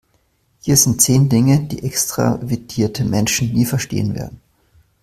Hier sind zehn Dinge, die extravertierte Menschen nie verstehen werden.